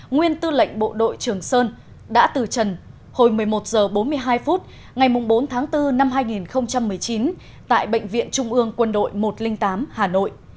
nguyên tư lệnh bộ đội trường sơn đã từ trần hồi một mươi một h bốn mươi hai phút ngày bốn tháng bốn năm hai nghìn một mươi chín tại bệnh viện trung ương quân đội một trăm linh tám hà nội